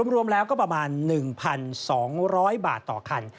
รวมแล้วก็ประมาณ๑๒๐๐บาทต่อคัน